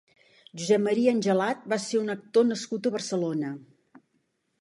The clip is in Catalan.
Josep Maria Angelat va ser un actor nascut a Barcelona.